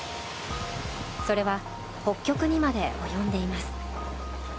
それは北極にまで及んでいます。